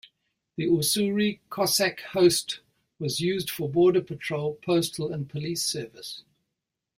The Ussuri Cossack Host was used for border patrol, postal and police service.